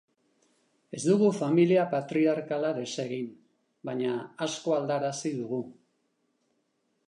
Ez dugu familia patriarkala desegin, baina asko aldarazi dugu.